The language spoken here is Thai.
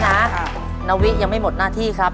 นาวิยังไม่หมดหน้าที่ครับ